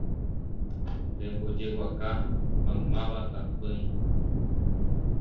Rembojeguaka maymáva tapỹi